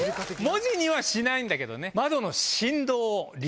文字にはしないんだけどね。